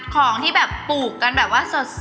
ของที่แบบปลูกกันแบบว่าสด